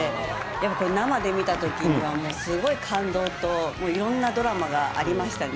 これ、生で見たときにはすごい感動と、いろんなドラマがありましたね。